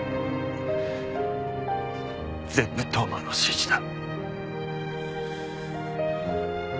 全部当麻の指示だ。